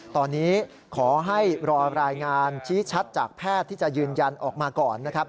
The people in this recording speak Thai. ตอนนี้ขอให้รอรายงานชี้ชัดจากแพทย์ที่จะยืนยันออกมาก่อนนะครับ